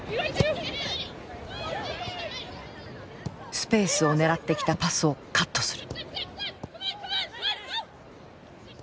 スペースを狙ってきたパスをカットする。